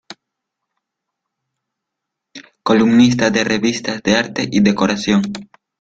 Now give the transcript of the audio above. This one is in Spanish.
Columnista de revistas de arte y decoración.